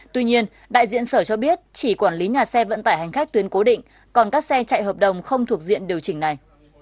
tuy nhiên đại diện sở cho biết chỉ quản lý nhà xe vận tải hành khách tuyến cố định còn các xe chạy hợp đồng không thuộc diện điều chỉnh này